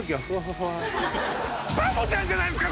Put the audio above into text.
「バボちゃんじゃないですか！